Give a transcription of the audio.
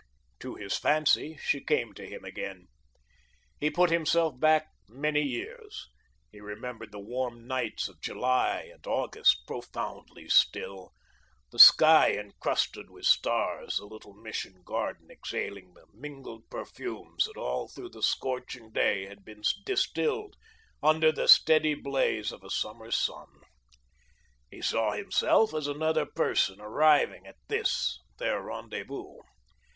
To his fancy, she came to him again. He put himself back many years. He remembered the warm nights of July and August, profoundly still, the sky encrusted with stars, the little Mission garden exhaling the mingled perfumes that all through the scorching day had been distilled under the steady blaze of a summer's sun. He saw himself as another person, arriving at this, their rendezvous.